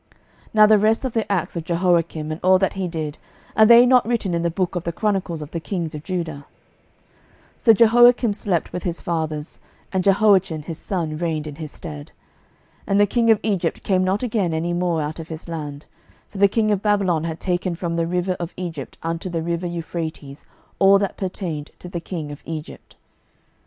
12:024:005 Now the rest of the acts of Jehoiakim, and all that he did, are they not written in the book of the chronicles of the kings of Judah? 12:024:006 So Jehoiakim slept with his fathers: and Jehoiachin his son reigned in his stead. 12:024:007 And the king of Egypt came not again any more out of his land: for the king of Babylon had taken from the river of Egypt unto the river Euphrates all that pertained to the king of Egypt.